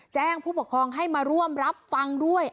ผู้ปกครองให้มาร่วมรับฟังด้วย